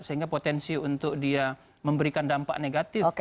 sehingga potensi untuk dia memberikan dampak negatif